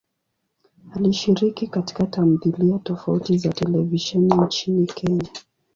Alishiriki katika tamthilia tofauti za televisheni nchini Kenya.